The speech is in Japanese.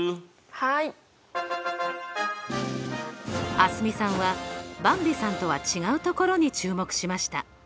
蒼澄さんはばんびさんとは違うところに注目しました。